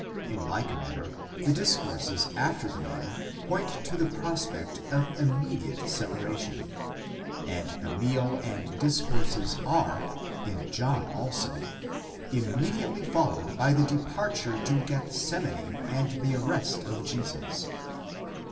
In like manner, the discourses after the meal point to the prospect of immediate separation ; and the meal and discourses are, in John also, immediately followed by the departure to Gethsemane and the arrest of Jesus.